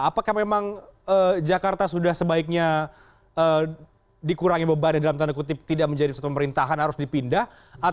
apakah memang jakarta sudah sebaiknya dikurangi beban yang dalam tanda kutip tidak menjadi pemerintahan harus dipindah